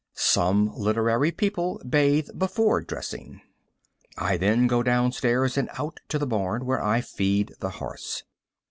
Some literary people bathe before dressing. I then go down stairs and out to the barn, where I feed the horse.